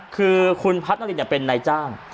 คือคุณพัฒนารินเป็นนายจ้าง